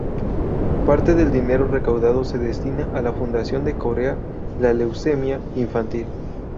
Parte del dinero recaudado se destina a la Fundación de Corea la leucemia infantil.